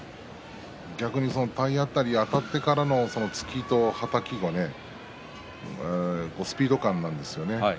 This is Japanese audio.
逆に体当たり、あたってからの突きとはたきそのスピード感なんですよね。